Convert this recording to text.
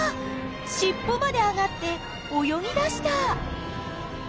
しっぽまで上がって泳ぎだした！